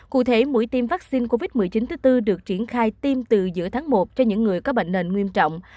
cụ thể mũi tiêm vaccine covid một mươi chín thứ tư được triển khai tiêm từ giữa tháng một cho những người có bệnh nền nghiêm trọng